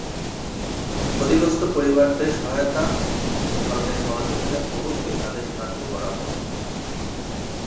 ক্ষতিগ্রস্ত পরিবারদের সহায়তায় সরকারি বরাদ্দ পেলে অবশ্যই তাদের সাহায্য করা হবে।